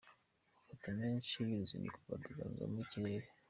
Amafoto menshi y’uruzinduko rwa Perezida Kagame i Kirehe.